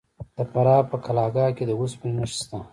د فراه په قلعه کاه کې د وسپنې نښې شته.